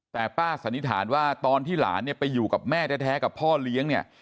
แต่ป้าสันนิษฐานว่าตอนที่หลานเนี่ยไปอยู่กับแม่แท้กับพ่อเลี้ยงเนี่ย